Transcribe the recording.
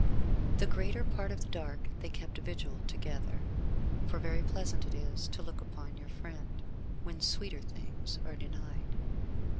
The greater part of the dark they kept vigil together, for very pleasant it is to look upon your friend, when sweeter things are denied.